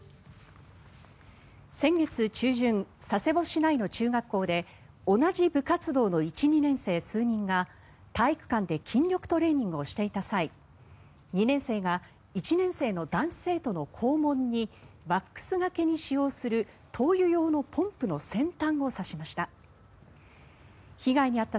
先月中旬、佐世保市内の中学校で同じ部活動の１、２年生数人が体育館で筋力トレーニングをしていた際２年生が１年生の男子生徒の肛門にワックス掛けに使用する灯油用のポンプの先端を挿しました。